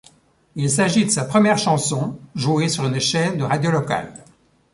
Il s'agit de sa première chanson jouée sur une chaîne de radio locale.